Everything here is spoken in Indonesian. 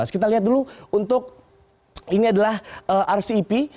kita lihat dulu untuk ini adalah rcep